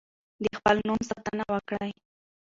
د خپل نوم ساتنه وکړئ.